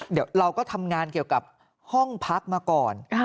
เดี๋ยวเราก็ทำงานเกี่ยวกับห้องพักมาก่อน